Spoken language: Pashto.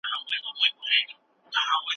په لارو کوڅو کې لاړې مه توکوئ.